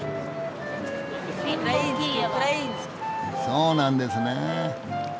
そうなんですね。